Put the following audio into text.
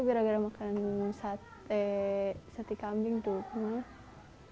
gara gara makan sate sate kambing tuh